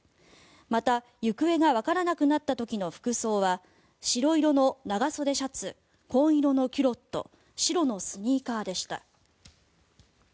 また行方がわからなくなった時の服装は白色の長袖シャツ紺色のキュロット白のスニーカーでした。